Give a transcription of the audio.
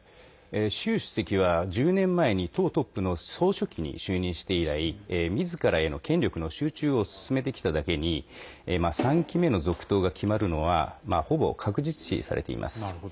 習主席は１０年前に党トップの総書記に就任して以来みずからへの権力の集中を進めてきただけに３期目の続投が決まるのはほぼ確実視されています。